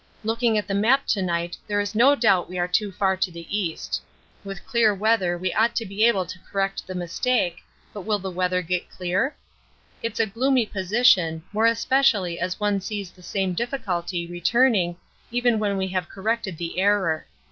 Looking at the map to night there is no doubt we are too far to the east. With clear weather we ought to be able to correct the mistake, but will the weather get clear? It's a gloomy position, more especially as one sees the same difficulty returning even when we have corrected the error.